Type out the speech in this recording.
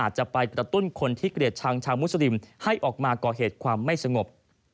ให้ออกมาก่อเหตุความไม่สงบ